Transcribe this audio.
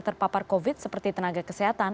terpapar covid sembilan belas seperti tenaga kesehatan